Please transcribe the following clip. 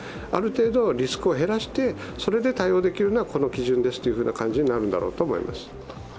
ある程度リスクを減らして、それで対応できるのはこの基準ですという感じになるんだろうと思います。